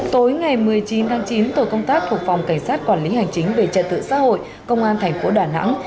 tối ngày một mươi chín tháng chín tổ công tác thuộc phòng cảnh sát quản lý hành chính về trật tự xã hội công an thành phố đà nẵng